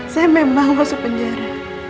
saya memang masuk penjara